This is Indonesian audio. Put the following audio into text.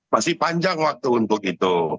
masih panjang waktu untuk itu